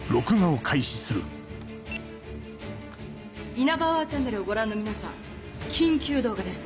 『イナバウアーチャンネル』をご覧の皆さん緊急動画です。